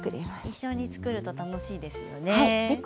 一緒に作ると楽しいですね。